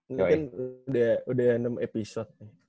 mungkin udah enam episode